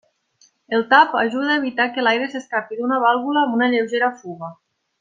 El tap ajuda a evitar que l'aire s'escapi d'una vàlvula amb una lleugera fuga.